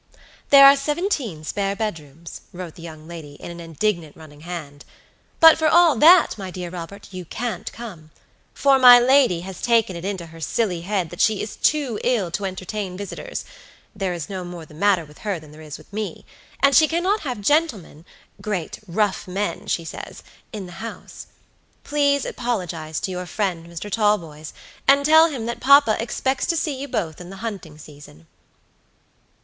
"There are seventeen spare bed rooms," wrote the young lady, in an indignant running hand, "but for all that, my dear Robert, you can't come; for my lady has taken it into her silly head that she is too ill to entertain visitors (there is no more the matter with her than there is with me), and she cannot have gentlemen (great, rough men, she says) in the house. Please apologize to your friend Mr. Talboys, and tell him that papa expects to see you both in the hunting season."